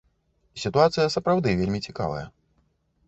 Сітуацыя сапраўды вельмі цікавая.